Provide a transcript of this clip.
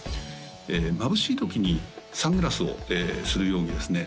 まぶしいときにサングラスをするようにですね